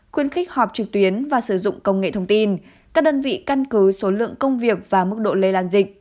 quyên khích họp trực tuyến và sử dụng công nghệ thông tin các đơn vị căn cứ số lượng công việc và mức độ lây lan dịch